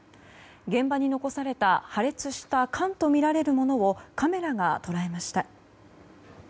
現場に残された破裂した缶とみられるものをカメラが捉えました。